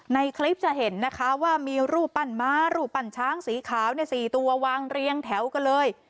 ในคลิปจะเห็นนะคะว่ามีรูปปั้นม้ารูปปั้นช้างสีขาว๔ตัววางเรียงแถวกันเลย